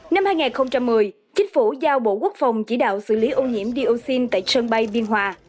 năm hai nghìn một mươi chính phủ giao bộ quốc phòng chỉ đạo xử lý ô nhiễm dioxin tại sân bay biên hòa